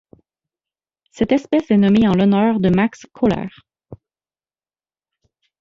Cette espèce est nommée en l'honneur de Max Köhler.